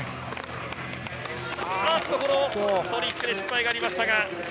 トリックで失敗がありました。